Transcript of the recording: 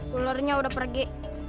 dulurnya udah pergi